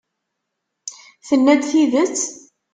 Tenna-d tidet?